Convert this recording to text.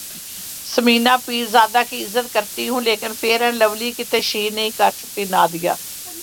ثمینہ پیرزادہ کی عزت کرتی ہوں لیکن فیئر اینڈ لولی کی تشہیر نہیں کرسکتی نادیہ